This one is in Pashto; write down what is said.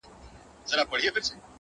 زې; د يوه پرې سوي نوک لا هم عزت کومه;